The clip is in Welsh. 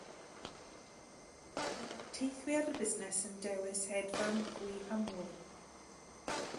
Byddai teithwyr busnes yn dewis hedfan fwy a mwy.